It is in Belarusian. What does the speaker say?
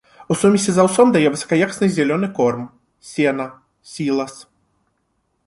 У сумесі з аўсом дае высакаякасны зялёны корм, сена, сілас.